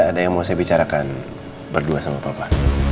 ada yang mau saya bicarakan berdua sama papa